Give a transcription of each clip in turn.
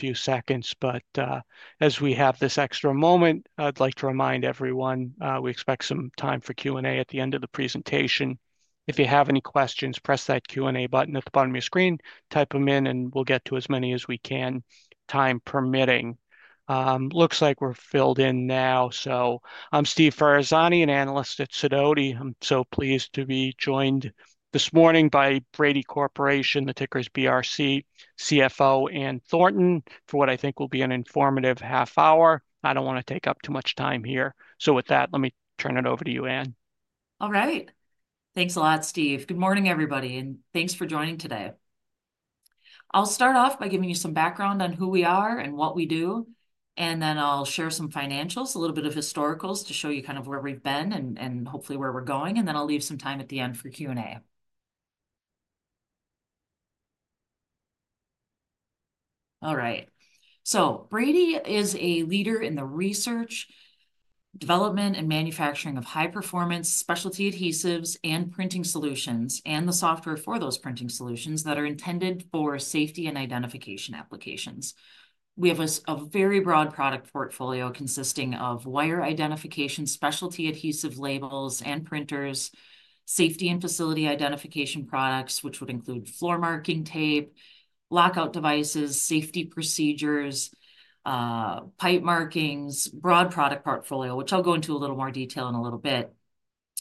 Few seconds, but, as we have this extra moment, I'd like to remind everyone, we expect some time for Q&A at the end of the presentation. If you have any questions, press that Q&A button at the bottom of your screen, type them in, and we'll get to as many as we can, time permitting. Looks like we're filled in now. I'm Steve Ferazani, an analyst at Sidoti & Company. I'm so pleased to be joined this morning by Brady Corporation, the ticker's BRC CFO, Ann Thornton, for what I think will be an informative half hour. I don't want to take up too much time here. With that, let me turn it over to you, Ann. All right. Thanks a lot, Steve. Good morning, everybody, and thanks for joining today. I'll start off by giving you some background on who we are and what we do, and then I'll share some financials, a little bit of historicals to show you kind of where we've been and hopefully where we're going. I'll leave some time at the end for Q&A. All right. Brady is a leader in the research, development, and manufacturing of high-performance specialty adhesives and printing solutions and the software for those printing solutions that are intended for safety and identification applications. We have a very broad product portfolio consisting of wire identification specialty adhesive labels and printers, safety and facility identification products, which would include floor marking tape, lockout devices, safety procedures, pipe markings, broad product portfolio, which I'll go into a little more detail in a little bit.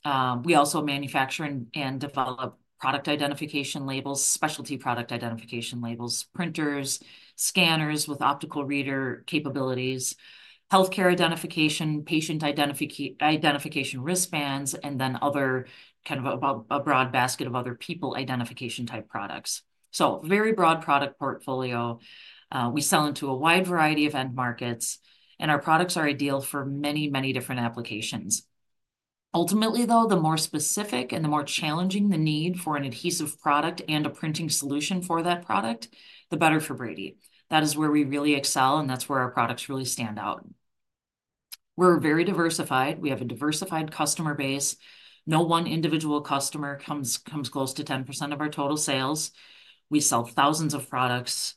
We also manufacture and develop product identification labels, specialty product identification labels, printers, scanners with optical reader capabilities, healthcare identification, patient identification wristbands, and then other kind of a broad basket of other people identification type products. So, very broad product portfolio. We sell into a wide variety of end markets, and our products are ideal for many, many different applications. Ultimately, though, the more specific and the more challenging the need for an adhesive product and a printing solution for that product, the better for Brady. That is where we really excel, and that's where our products really stand out. We're very diversified. We have a diversified customer base. No one individual customer comes close to 10% of our total sales. We sell thousands of products.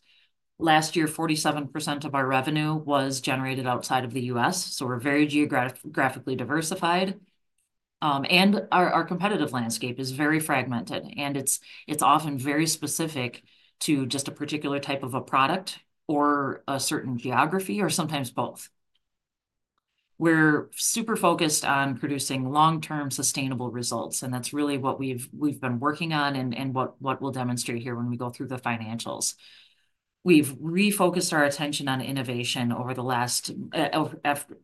Last year, 47% of our revenue was generated outside of the U.S. So, we're very geographically diversified. Our competitive landscape is very fragmented, and it's often very specific to just a particular type of a product or a certain geography, or sometimes both. We're super focused on producing long-term sustainable results, and that's really what we've been working on and what we'll demonstrate here when we go through the financials. We've refocused our attention on innovation over the last, after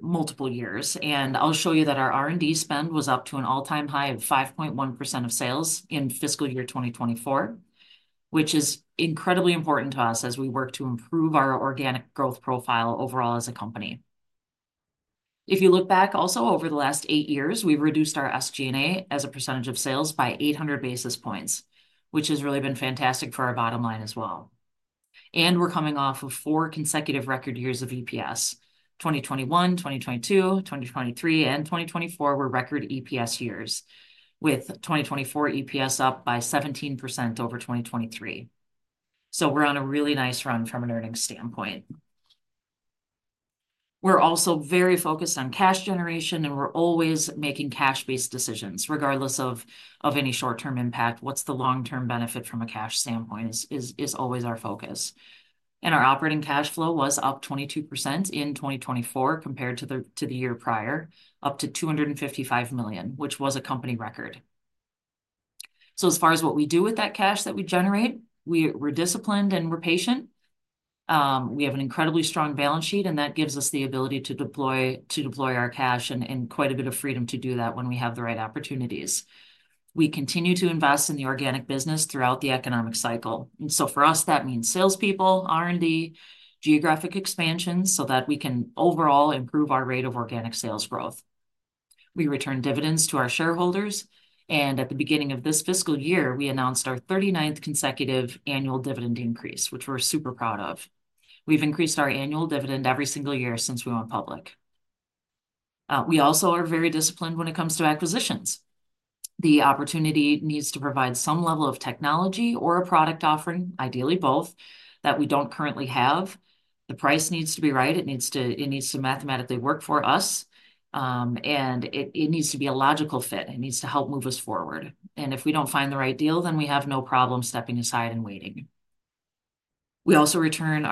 multiple years, and I'll show you that our R&D spend was up to an all-time high of 5.1% of sales in fiscal year 2024, which is incredibly important to us as we work to improve our organic growth profile overall as a company. If you look back also over the last eight years, we've reduced our SG&A as a percentage of sales by 800 basis points, which has really been fantastic for our bottom line as well. We're coming off of four consecutive record years of EPS: 2021, 2022, 2023, and 2024 were record EPS years, with 2024 EPS up by 17% over 2023. We're on a really nice run from an earnings standpoint. We're also very focused on cash generation, and we're always making cash-based decisions, regardless of any short-term impact. What's the long-term benefit from a cash standpoint is always our focus. Our operating cash flow was up 22% in 2024 compared to the year prior, up to $255 million, which was a company record. As far as what we do with that cash that we generate, we're disciplined and we're patient. We have an incredibly strong balance sheet, and that gives us the ability to deploy our cash and quite a bit of freedom to do that when we have the right opportunities. We continue to invest in the organic business throughout the economic cycle. For us, that means salespeople, R&D, geographic expansion, so that we can overall improve our rate of organic sales growth. We return dividends to our shareholders, and at the beginning of this fiscal year, we announced our 39th consecutive annual dividend increase, which we're super proud of. We've increased our annual dividend every single year since we went public. We also are very disciplined when it comes to acquisitions. The opportunity needs to provide some level of technology or a product offering, ideally both, that we do not currently have. The price needs to be right. It needs to, it needs to mathematically work for us. It needs to be a logical fit. It needs to help move us forward. If we do not find the right deal, then we have no problem stepping aside and waiting. We also return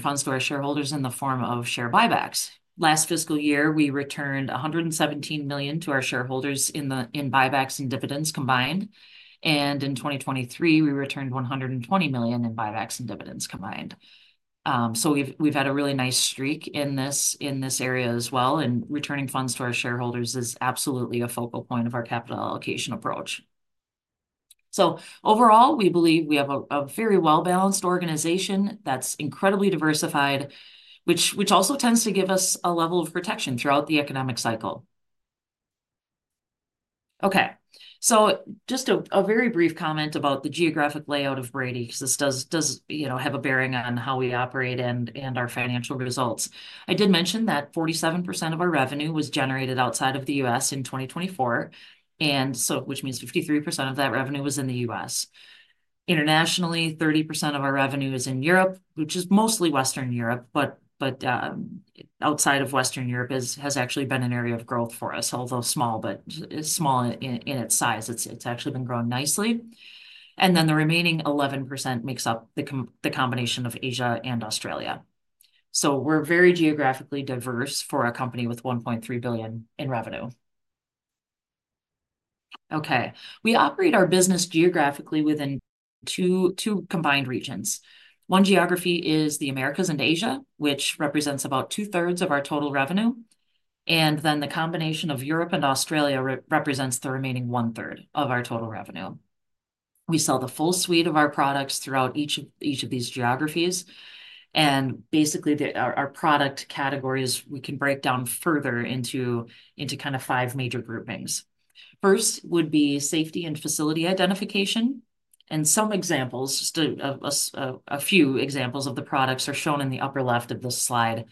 funds to our shareholders in the form of share buybacks. Last fiscal year, we returned $117 million to our shareholders in buybacks and dividends combined. In 2023, we returned $120 million in buybacks and dividends combined. We have had a really nice streak in this area as well, and returning funds to our shareholders is absolutely a focal point of our capital allocation approach. Overall, we believe we have a very well-balanced organization that is incredibly diversified, which also tends to give us a level of protection throughout the economic cycle. Okay. Just a very brief comment about the geographic layout of Brady, because this does, you know, have a bearing on how we operate and our financial results. I did mention that 47% of our revenue was generated outside of the U.S. in 2024, which means 53% of that revenue was in the U.S. Internationally, 30% of our revenue is in Europe, which is mostly Western Europe, but outside of Western Europe has actually been an area of growth for us, although small in its size. It's actually been growing nicely. The remaining 11% makes up the combination of Asia and Australia. We're very geographically diverse for a company with $1.3 billion in revenue. We operate our business geographically within two combined regions. One geography is the Americas and Asia, which represents about two-thirds of our total revenue. The combination of Europe and Australia represents the remaining one-third of our total revenue. We sell the full suite of our products throughout each of these geographies. Basically, our product categories, we can break down further into kind of five major groupings. First would be safety and facility identification. Some examples, just a few examples of the products are shown in the upper left of this slide.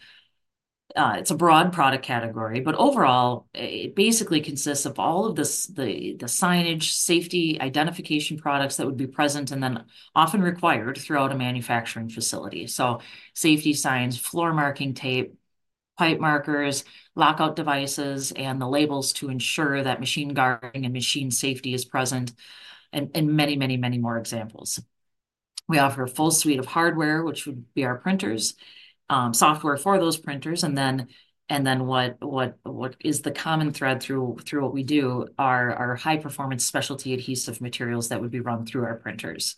It's a broad product category, but overall, it basically consists of all of the signage, safety identification products that would be present and then often required throughout a manufacturing facility. Safety signs, floor marking tape, pipe markers, lockout devices, and the labels to ensure that machine guarding and machine safety is present, and many, many more examples. We offer a full suite of hardware, which would be our printers, software for those printers. Then what is the common thread through what we do are high-performance specialty adhesive materials that would be run through our printers,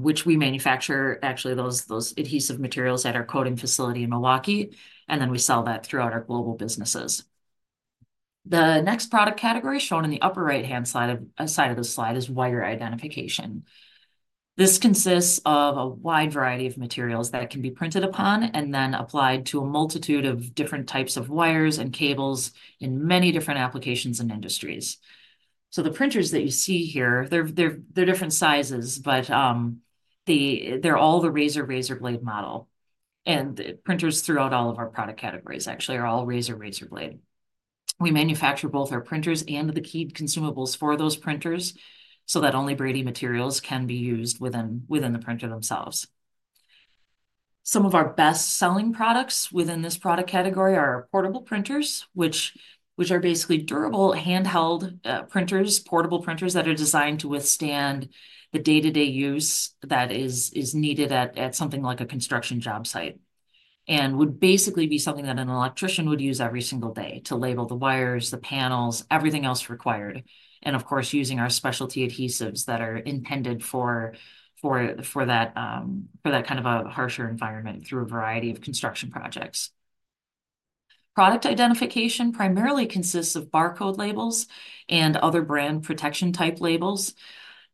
which we manufacture. Actually, those adhesive materials at our coding facility in Milwaukee, and then we sell that throughout our global businesses. The next product category shown in the upper right-hand side of the slide is wire identification. This consists of a wide variety of materials that can be printed upon and then applied to a multitude of different types of wires and cables in many different applications and industries. The printers that you see here, they're different sizes, but they're all the razor razor blade model. Printers throughout all of our product categories actually are all razor razor blade. We manufacture both our printers and the key consumables for those printers so that only Brady materials can be used within the printer themselves. Some of our best-selling products within this product category are portable printers, which are basically durable handheld printers, portable printers that are designed to withstand the day-to-day use that is needed at something like a construction job site and would basically be something that an electrician would use every single day to label the wires, the panels, everything else required. Of course, using our specialty adhesives that are intended for that kind of a harsher environment through a variety of construction projects. Product identification primarily consists of barcode labels and other brand protection type labels.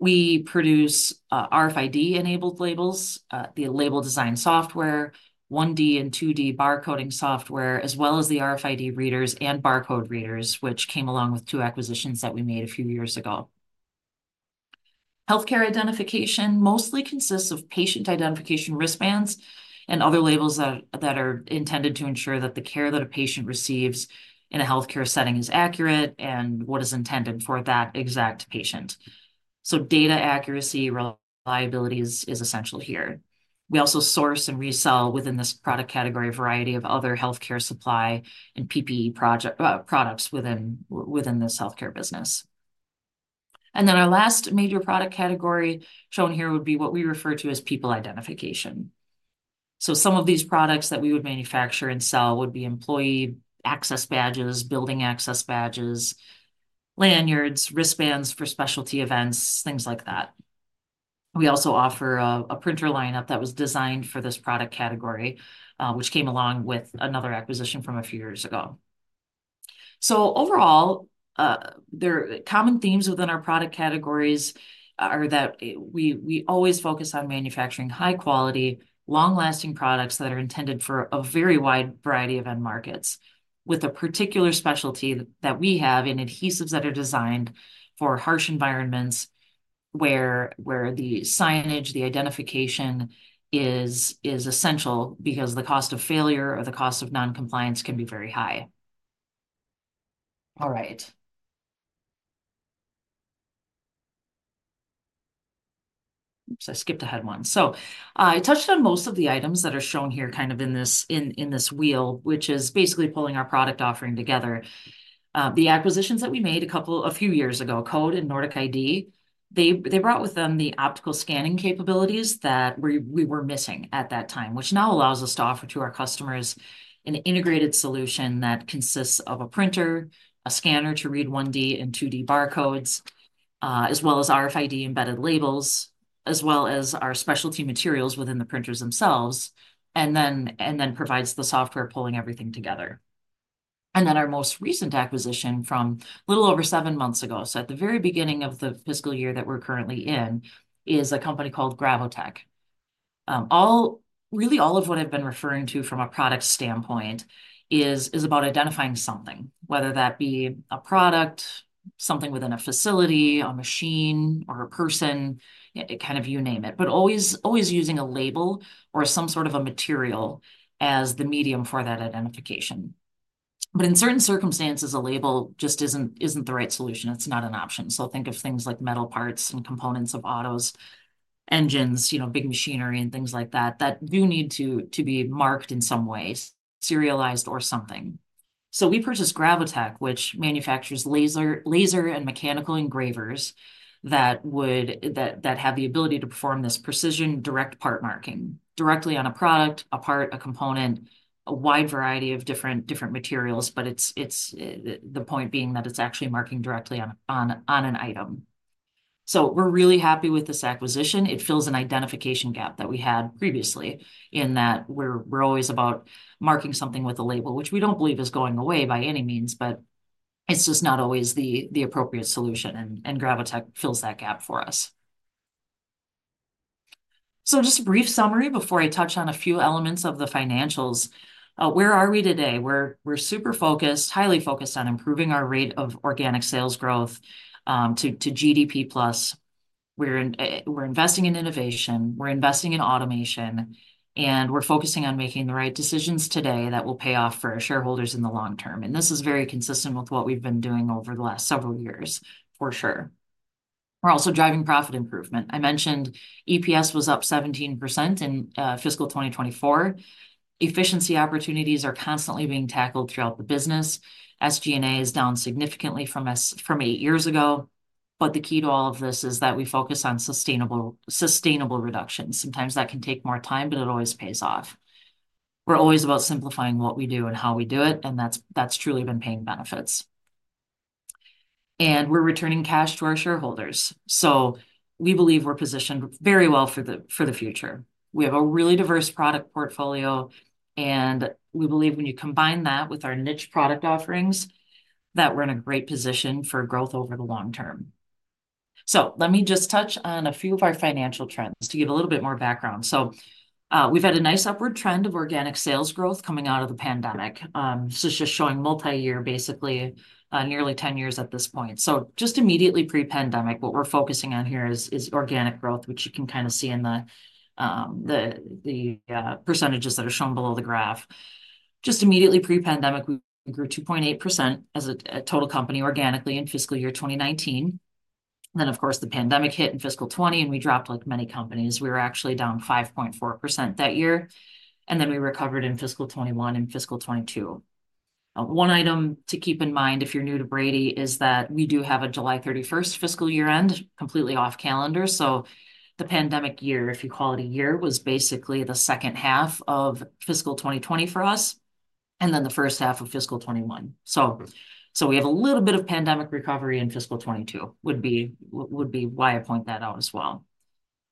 We produce RFID-enabled labels, the label design software, 1D and 2D barcoding software, as well as the RFID readers and barcode readers, which came along with two acquisitions that we made a few years ago. Healthcare identification mostly consists of patient identification wristbands and other labels that are intended to ensure that the care that a patient receives in a healthcare setting is accurate and what is intended for that exact patient. Data accuracy, reliability is essential here. We also source and resell within this product category a variety of other healthcare supply and PPE products within this healthcare business. Our last major product category shown here would be what we refer to as people identification. Some of these products that we would manufacture and sell would be employee access badges, building access badges, lanyards, wristbands for specialty events, things like that. We also offer a printer lineup that was designed for this product category, which came along with another acquisition from a few years ago. Overall, there are common themes within our product categories that we always focus on manufacturing high-quality, long-lasting products that are intended for a very wide variety of end markets with a particular specialty that we have in adhesives that are designed for harsh environments where the signage, the identification is essential because the cost of failure or the cost of non-compliance can be very high. All right. Oops, I skipped ahead one. I touched on most of the items that are shown here kind of in this, in this wheel, which is basically pulling our product offering together. The acquisitions that we made a couple, a few years ago, Code and Nordic ID, they brought with them the optical scanning capabilities that we were missing at that time, which now allows us to offer to our customers an integrated solution that consists of a printer, a scanner to read 1D and 2D barcodes, as well as RFID embedded labels, as well as our specialty materials within the printers themselves, and then provides the software pulling everything together. Our most recent acquisition from a little over seven months ago, at the very beginning of the fiscal year that we are currently in, is a company called Gravotech. All, really all of what I've been referring to from a product standpoint is about identifying something, whether that be a product, something within a facility, a machine, or a person, you name it, but always, always using a label or some sort of a material as the medium for that identification. In certain circumstances, a label just isn't the right solution. It's not an option. Think of things like metal parts and components of autos, engines, you know, big machinery and things like that, that do need to be marked in some way, serialized or something. We purchased Gravotech, which manufactures laser and mechanical engravers that have the ability to perform this precision direct part marking directly on a product, a part, a component, a wide variety of different materials, but the point being that it's actually marking directly on an item. We're really happy with this acquisition. It fills an identification gap that we had previously in that we're always about marking something with a label, which we don't believe is going away by any means, but it's just not always the appropriate solution, and Gravotech fills that gap for us. Just a brief summary before I touch on a few elements of the financials. Where are we today? We're super focused, highly focused on improving our rate of organic sales growth, to GDP plus. We're investing in innovation, we're investing in automation, and we're focusing on making the right decisions today that will pay off for our shareholders in the long term. This is very consistent with what we've been doing over the last several years, for sure. We're also driving profit improvement. I mentioned EPS was up 17% in fiscal 2024. Efficiency opportunities are constantly being tackled throughout the business. SG&A is down significantly from eight years ago. The key to all of this is that we focus on sustainable, sustainable reductions. Sometimes that can take more time, but it always pays off. We're always about simplifying what we do and how we do it, and that's truly been paying benefits. We're returning cash to our shareholders. We believe we're positioned very well for the future. We have a really diverse product portfolio, and we believe when you combine that with our niche product offerings, that we're in a great position for growth over the long term. Let me just touch on a few of our financial trends to give a little bit more background. We've had a nice upward trend of organic sales growth coming out of the pandemic. This is just showing multi-year, basically, nearly 10 years at this point. Just immediately pre-pandemic, what we're focusing on here is organic growth, which you can kind of see in the percentages that are shown below the graph. Just immediately pre-pandemic, we grew 2.8% as a total company organically in fiscal year 2019. Of course, the pandemic hit in fiscal 2020, and we dropped like many companies. We were actually down 5.4% that year, and then we recovered in fiscal 2021 and fiscal 2022. One item to keep in mind if you're new to Brady is that we do have a July 31 fiscal year-end, completely off calendar. The pandemic year, if you call it a year, was basically the second half of fiscal 2020 for us, and then the first half of fiscal 2021. We have a little bit of pandemic recovery in fiscal 2022, which would be why I point that out as well.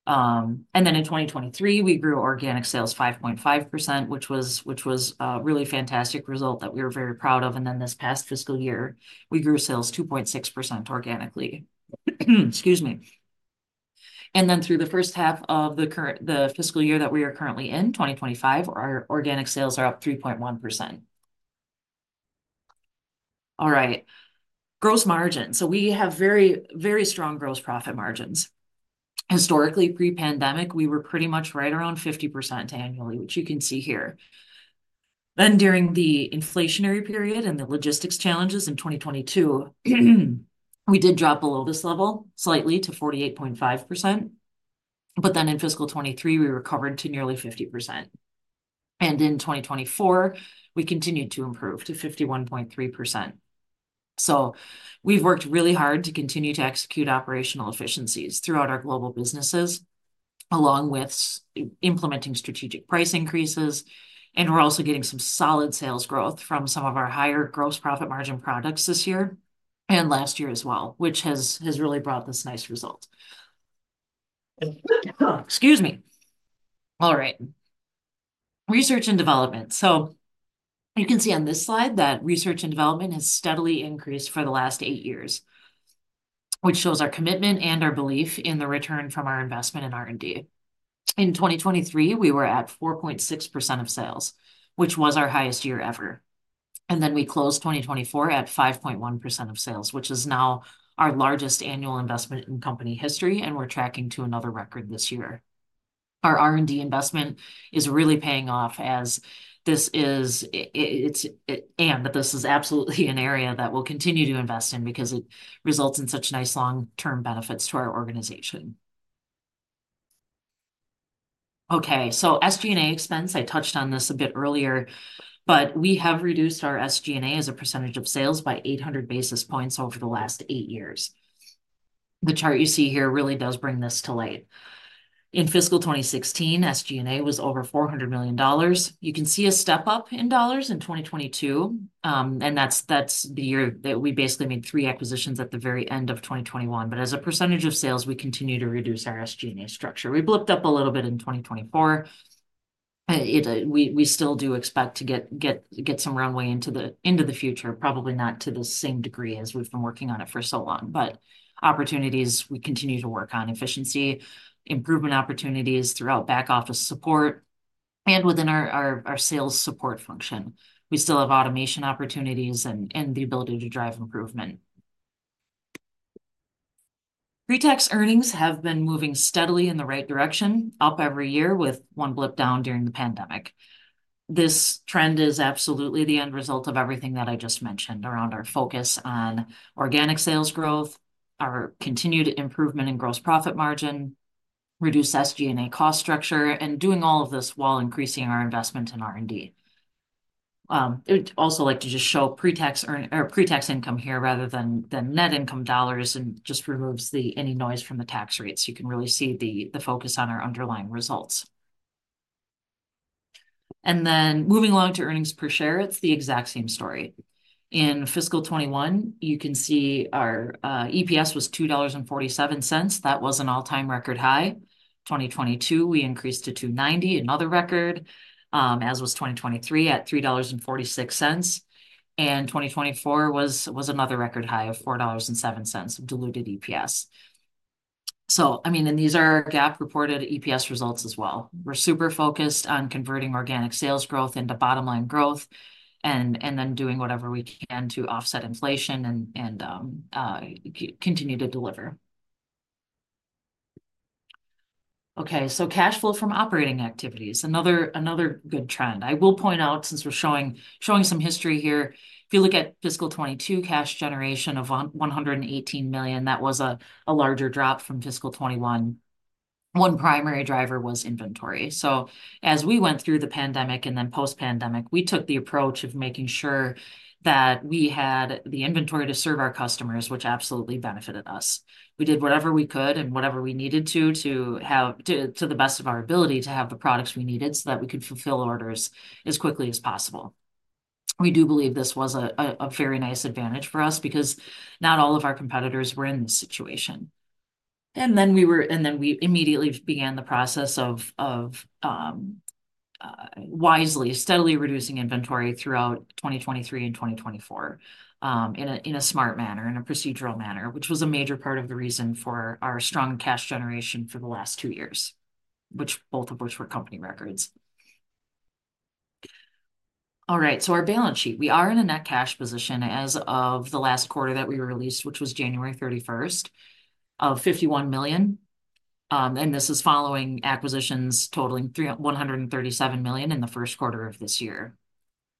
In 2023, we grew organic sales 5.5%, which was a really fantastic result that we were very proud of. This past fiscal year, we grew sales 2.6% organically. Excuse me. Through the first half of the current fiscal year that we are currently in, 2025, our organic sales are up 3.1%. All right. Gross margin. We have very, very strong gross profit margins. Historically, pre-pandemic, we were pretty much right around 50% annually, which you can see here. During the inflationary period and the logistics challenges in 2022, we did drop below this level slightly to 48.5%. In fiscal 2023, we recovered to nearly 50%. In 2024, we continued to improve to 51.3%. We have worked really hard to continue to execute operational efficiencies throughout our global businesses, along with implementing strategic price increases. We are also getting some solid sales growth from some of our higher gross profit margin products this year and last year as well, which has really brought this nice result. Excuse me. All right. Research and development. You can see on this slide that research and development has steadily increased for the last eight years, which shows our commitment and our belief in the return from our investment in R&D. In 2023, we were at 4.6% of sales, which was our highest year ever. We closed 2024 at 5.1% of sales, which is now our largest annual investment in company history, and we're tracking to another record this year. Our R&D investment is really paying off as this is, it's, and that this is absolutely an area that we'll continue to invest in because it results in such nice long-term benefits to our organization. Okay. SG&A expense, I touched on this a bit earlier, but we have reduced our SG&A as a percentage of sales by 800 basis points over the last eight years. The chart you see here really does bring this to light. In fiscal 2016, SG&A was over $400 million. You can see a step up in dollars in 2022, and that's the year that we basically made three acquisitions at the very end of 2021. As a percentage of sales, we continue to reduce our SG&A structure. We have ticked up a little bit in 2024. We still do expect to get some runway into the future, probably not to the same degree as we have been working on it for so long. Opportunities we continue to work on, efficiency improvement opportunities throughout back office support and within our sales support function. We still have automation opportunities and the ability to drive improvement. Pretax earnings have been moving steadily in the right direction, up every year with one blip down during the pandemic. This trend is absolutely the end result of everything that I just mentioned around our focus on organic sales growth, our continued improvement in gross profit margin, reduced SG&A cost structure, and doing all of this while increasing our investment in R&D. I'd also like to just show pretax earnings or pretax income here rather than net income dollars and just removes any noise from the tax rates. You can really see the focus on our underlying results. Moving along to earnings per share, it's the exact same story. In fiscal 2021, you can see our EPS was $2.47. That was an all-time record high. In 2022, we increased to $2.90, another record, as was 2023 at $3.46. 2024 was another record high of $4.07 of diluted EPS. I mean, these are our GAAP reported EPS results as well. We're super focused on converting organic sales growth into bottom line growth and then doing whatever we can to offset inflation and continue to deliver. Cash flow from operating activities, another good trend. I will point out, since we're showing some history here, if you look at fiscal 2022, cash generation of $118 million, that was a larger drop from fiscal 2021. One primary driver was inventory. As we went through the pandemic and then post-pandemic, we took the approach of making sure that we had the inventory to serve our customers, which absolutely benefited us. We did whatever we could and whatever we needed to, to the best of our ability to have the products we needed so that we could fulfill orders as quickly as possible. We do believe this was a very nice advantage for us because not all of our competitors were in this situation. We immediately began the process of wisely, steadily reducing inventory throughout 2023 and 2024, in a smart manner, in a procedural manner, which was a major part of the reason for our strong cash generation for the last two years, both of which were company records. All right. Our balance sheet, we are in a net cash position as of the last quarter that we released, which was January 31, of $51 million. This is following acquisitions totaling $137 million in the first quarter of this year.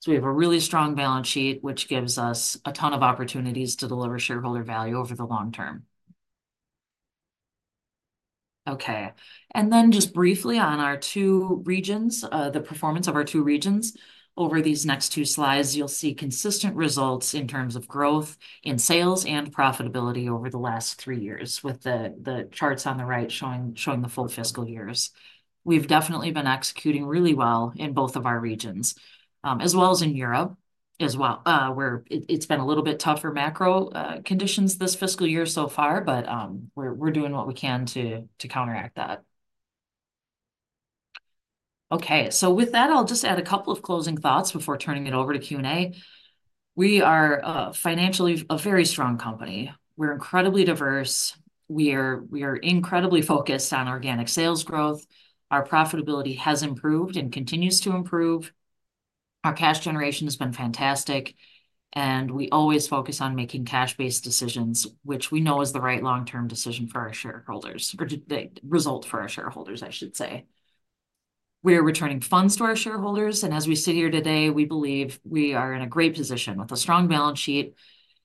We have a really strong balance sheet, which gives us a ton of opportunities to deliver shareholder value over the long term. Okay. Just briefly on our two regions, the performance of our two regions over these next two slides, you'll see consistent results in terms of growth in sales and profitability over the last three years, with the charts on the right showing the full fiscal years. We've definitely been executing really well in both of our regions, as well as in Europe, where it's been a little bit tougher macro conditions this fiscal year so far, but we're doing what we can to counteract that. Okay. With that, I'll just add a couple of closing thoughts before turning it over to Q&A. We are, financially, a very strong company. We're incredibly diverse. We are, we are incredibly focused on organic sales growth. Our profitability has improved and continues to improve. Our cash generation has been fantastic, and we always focus on making cash-based decisions, which we know is the right long-term decision for our shareholders, or the result for our shareholders, I should say. We are returning funds to our shareholders, and as we sit here today, we believe we are in a great position with a strong balance sheet,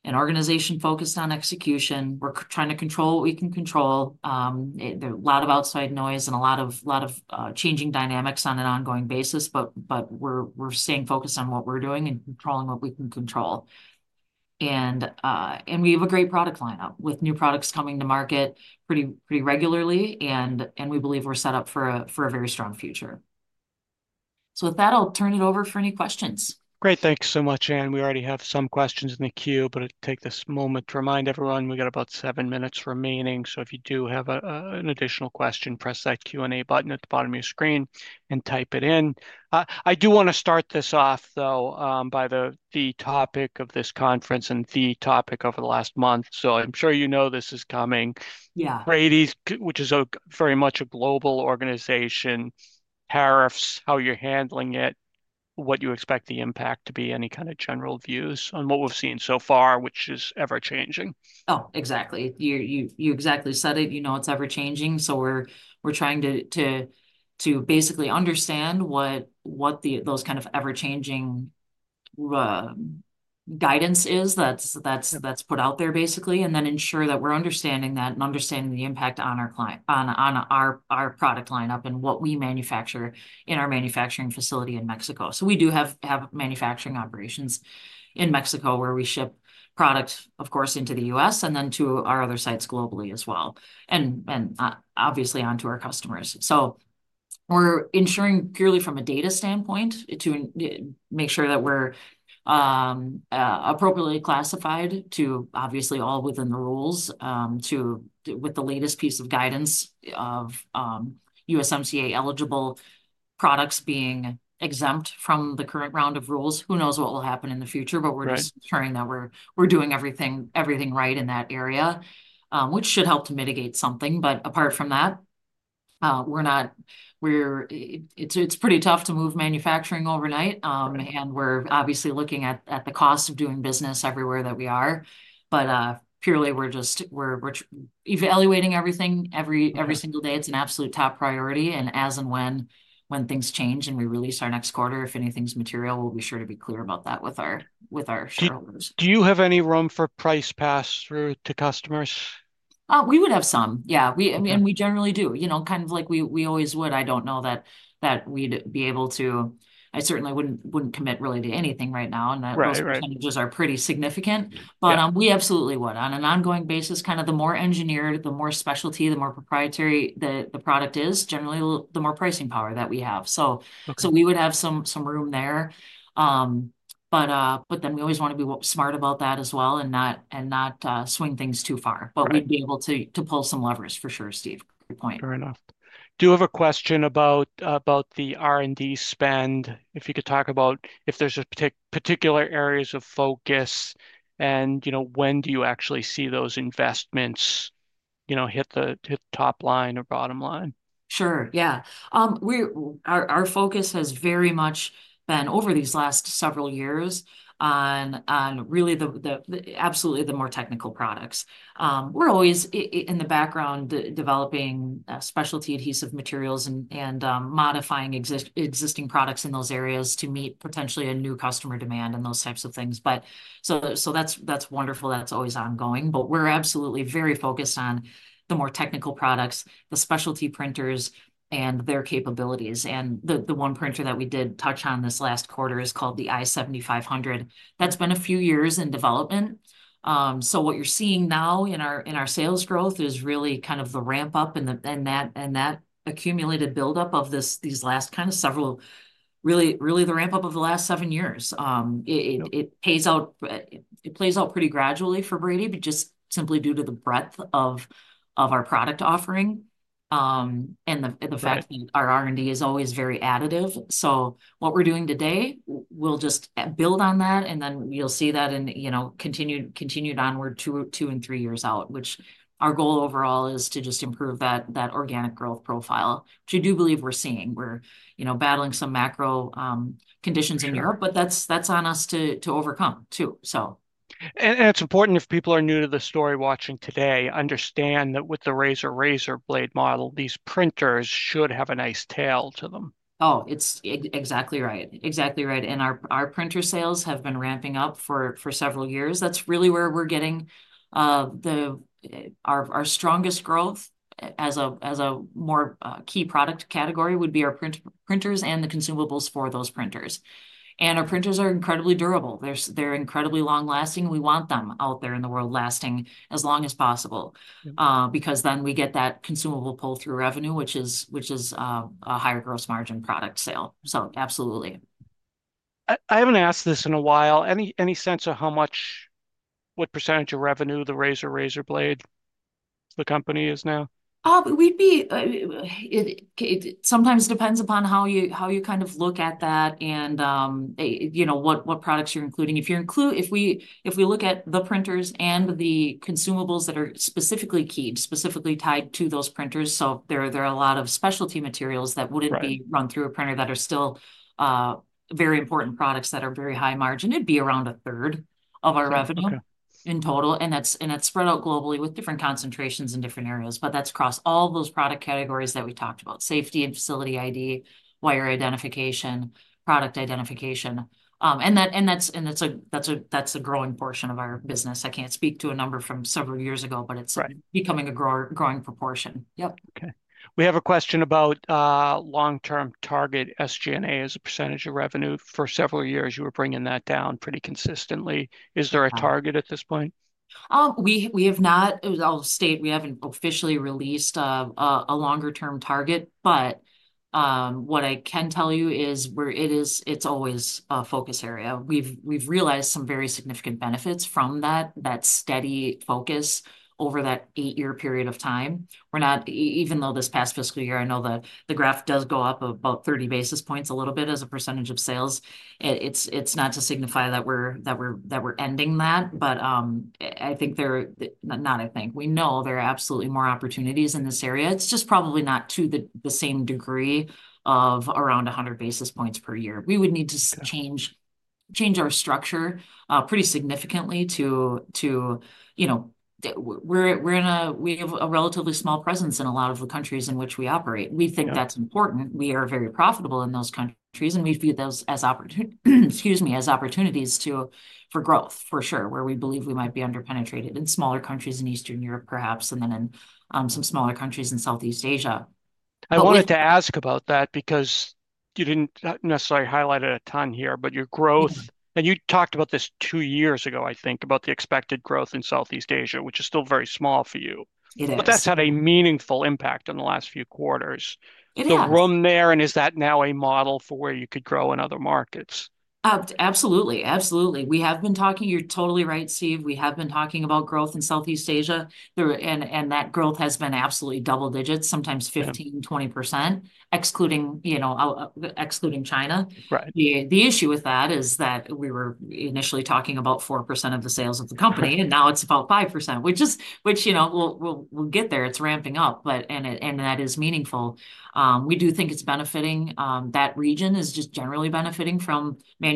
an organization focused on execution. We're trying to control what we can control. There's a lot of outside noise and a lot of, a lot of, changing dynamics on an ongoing basis, but we're staying focused on what we're doing and controlling what we can control. We have a great product lineup with new products coming to market pretty regularly, and we believe we're set up for a very strong future. With that, I'll turn it over for any questions. Great. Thanks so much, Ann. We already have some questions in the queue, but I'll take this moment to remind everyone we got about seven minutes remaining. If you do have an additional question, press that Q&A button at the bottom of your screen and type it in. I do want to start this off though, by the topic of this conference and the topic over the last month. I'm sure you know this is coming. Yeah. Brady's, which is very much a global organization, tariffs, how you're handling it, what you expect the impact to be, any kind of general views on what we've seen so far, which is ever-changing. Oh, exactly. You exactly said it. You know, it's ever-changing. We're trying to basically understand what those kind of ever-changing guidance is that's put out there basically, and then ensure that we're understanding that and understanding the impact on our client, on our product lineup and what we manufacture in our manufacturing facility in Mexico. We do have manufacturing operations in Mexico where we ship products, of course, into the U.S. and then to our other sites globally as well, and obviously onto our customers. We're ensuring purely from a data standpoint to make sure that we're appropriately classified to obviously all within the rules, with the latest piece of guidance of USMCA eligible products being exempt from the current round of rules. Who knows what will happen in the future, but we're just ensuring that we're doing everything right in that area, which should help to mitigate something. Apart from that, it's pretty tough to move manufacturing overnight, and we're obviously looking at the cost of doing business everywhere that we are, but purely we're just evaluating everything every single day. It's an absolute top priority. As and when things change and we release our next quarter, if anything's material, we'll be sure to be clear about that with our shareholders. Do you have any room for price pass through to customers? We would have some. Yeah. We, I mean, and we generally do, you know, kind of like we, we always would. I do not know that, that we would be able to, I certainly would not, would not commit really to anything right now. And that those percentages are pretty significant, but, we absolutely would on an ongoing basis. Kind of the more engineered, the more specialty, the more proprietary the, the product is, generally the more pricing power that we have. So, so we would have some, some room there. But, but then we always want to be smart about that as well and not, and not, swing things too far, but we would be able to, to pull some levers for sure, Steve. Great point. Fair enough. Do you have a question about, about the R&D spend? If you could talk about if there's a particular areas of focus and, you know, when do you actually see those investments, you know, hit the, hit the top line or bottom line? Sure. Yeah. we, our, our focus has very much been over these last several years on, on really the, the, the absolutely the more technical products. we're always in the background developing specialty adhesive materials and, and, modifying existing products in those areas to meet potentially a new customer demand and those types of things. That's, that's wonderful. That's always ongoing, but we're absolutely very focused on the more technical products, the specialty printers and their capabilities. And the, the one printer that we did touch on this last quarter is called the i7500. That's been a few years in development. What you're seeing now in our sales growth is really kind of the ramp up and that accumulated buildup of these last several, really the ramp up of the last seven years. It pays out, it plays out pretty gradually for Brady, just simply due to the breadth of our product offering and the fact that our R&D is always very additive. What we're doing today will just build on that and then you'll see that in continued, continued onward two, two and three years out, which our goal overall is to just improve that organic growth profile, which I do believe we're seeing. We're, you know, battling some macro conditions in Europe, but that's on us to overcome too. It's important if people are new to the story watching today, understand that with the razor razor blade model, these printers should have a nice tail to them. Oh, it's exactly right. Exactly right. Our printer sales have been ramping up for several years. That's really where we're getting our strongest growth as a more key product category would be our printers and the consumables for those printers. Our printers are incredibly durable. They're incredibly long lasting. We want them out there in the world lasting as long as possible, because then we get that consumable pull through revenue, which is a higher gross margin product sale. Absolutely. I haven't asked this in a while. Any sense of how much, what percentage of revenue the razor razor blade the company is now? We'd be, it sometimes depends upon how you kind of look at that and, you know, what products you're including. If you include, if we look at the printers and the consumables that are specifically keyed, specifically tied to those printers. There are a lot of specialty materials that would not be run through a printer that are still very important products that are very high margin. It would be around a third of our revenue in total. That is spread out globally with different concentrations in different areas, but that is across all those product categories that we talked about: safety and facility ID, wire identification, product identification. That is a growing portion of our business. I cannot speak to a number from several years ago, but it is becoming a growing, growing proportion. Yep. Okay. We have a question about long-term target SG&A as a percentage of revenue. For several years, you were bringing that down pretty consistently. Is there a target at this point? We have not, I'll state, we haven't officially released a longer-term target, but what I can tell you is where it is, it's always a focus area. We've realized some very significant benefits from that steady focus over that eight-year period of time. We're not, even though this past fiscal year, I know the graph does go up about 30 basis points a little bit as a percentage of sales. It's not to signify that we're ending that, but I think there, not, not, I think we know there are absolutely more opportunities in this area. It's just probably not to the, the same degree of around 100 basis points per year. We would need to change, change our structure, pretty significantly to, to, you know, we're, we're in a, we have a relatively small presence in a lot of the countries in which we operate. We think that's important. We are very profitable in those countries and we view those as opportunity, excuse me, as opportunities to, for growth for sure, where we believe we might be under penetrated in smaller countries in Eastern Europe, perhaps, and then in, some smaller countries in Southeast Asia. I wanted to ask about that because you didn't necessarily highlight it a ton here, but your growth, and you talked about this two years ago, I think, about the expected growth in Southeast Asia, which is still very small for you. It is. That has had a meaningful impact in the last few quarters. It has. The room there, and is that now a model for where you could grow in other markets? Absolutely. Absolutely. We have been talking, you're totally right, Steve. We have been talking about growth in Southeast Asia. There were, and that growth has been absolutely double digits, sometimes 15%-20%, excluding, you know, excluding China. Right. The issue with that is that we were initially talking about 4% of the sales of the company and now it's about 5%, which is, which, you know, we'll get there. It's ramping up, and that is meaningful. We do think it's benefiting, that region is just generally benefiting from manufacturing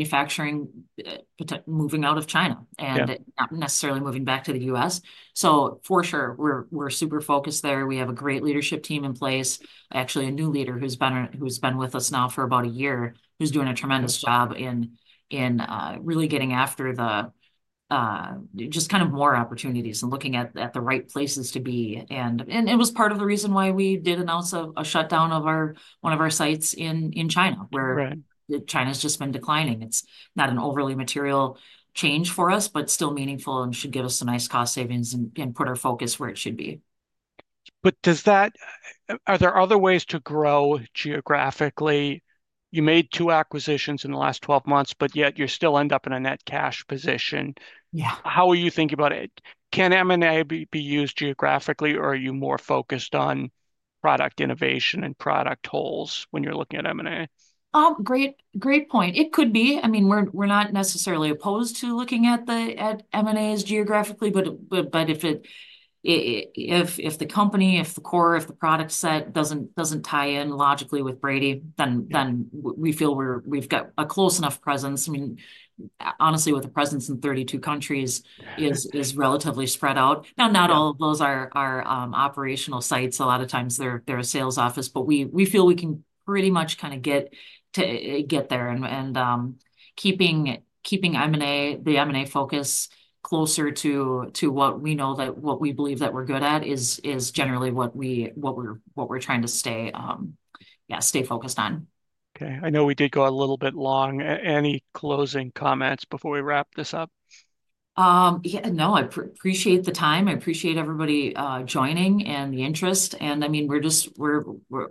moving out of China and not necessarily moving back to the U.S. For sure, we're super focused there. We have a great leadership team in place, actually a new leader who's been with us now for about a year, who's doing a tremendous job in really getting after just kind of more opportunities and looking at the right places to be. It was part of the reason why we did announce a shutdown of one of our sites in China, where China's just been declining. It's not an overly material change for us, but still meaningful and should give us some nice cost savings and put our focus where it should be. Does that, are there other ways to grow geographically? You made two acquisitions in the last 12 months, but yet you still end up in a net cash position. Yeah. How are you thinking about it? Can M&A be used geographically or are you more focused on product innovation and product holes when you're looking at M&A? Great, great point. It could be. I mean, we're not necessarily opposed to looking at the M&As geographically, but if the company, if the core, if the product set doesn't tie in logically with Brady, then we feel we've got a close enough presence. I mean, honestly, with a presence in 32 countries is relatively spread out. Now, not all of those are operational sites. A lot of times they're a sales office, but we feel we can pretty much kind of get to, get there and, keeping M&A, the M&A focus closer to what we know that what we believe that we're good at is generally what we're trying to stay, yeah, stay focused on. Okay. I know we did go a little bit long. Any closing comments before we wrap this up? Yeah, no, I appreciate the time. I appreciate everybody joining and the interest. I mean, we're just, we're,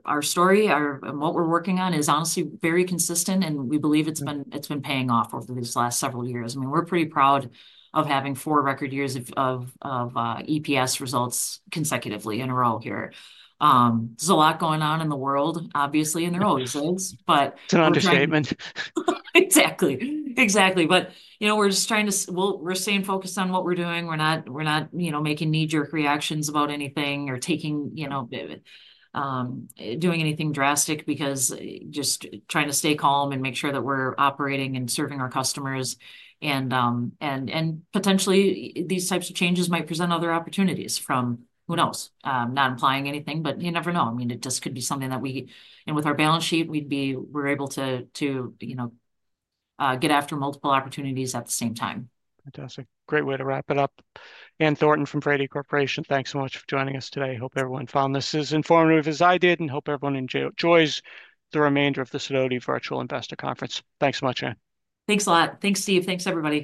our story, our, and what we're working on is honestly very consistent and we believe it's been paying off over these last several years. I mean, we're pretty proud of having four record years of EPS results consecutively in a row here. There's a lot going on in the world, obviously, and there always is, but it's an understatement. Exactly. Exactly. But, you know, we're just trying to, we're staying focused on what we're doing. We're not, we're not, you know, making knee-jerk reactions about anything or taking, you know, doing anything drastic because just trying to stay calm and make sure that we're operating and serving our customers. And, and, and potentially these types of changes might present other opportunities from who knows, not implying anything, but you never know. I mean, it just could be something that we, and with our balance sheet, we'd be, we're able to, to, you know, get after multiple opportunities at the same time. Fantastic. Great way to wrap it up. Ann Thornton from Brady Corporation, thanks so much for joining us today. Hope everyone found this as informative as I did and hope everyone enjoys the remainder of the Sidoti Virtual Investor Conference. Thanks so much, Ann. Thanks a lot. Thanks, Steve. Thanks, everybody.